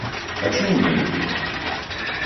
А чому не люблю?